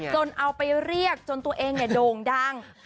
เอาไปเรียกจนตัวเองโด่งดัง